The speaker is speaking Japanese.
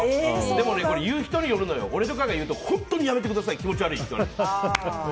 でも、言う人によるのよ。俺とかが言うと本当にやめてください気持ち悪いって言われるの。